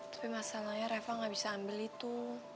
tapi masalahnya reva nggak bisa ambil itu